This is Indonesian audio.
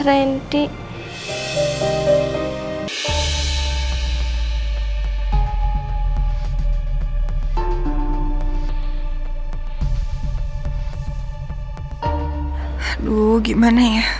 aduh gimana ya